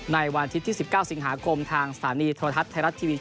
ในวันอาทิตย์ที่๑๙สิงหาคมทางสถานีโทรทัศน์ไทยรัฐทีวี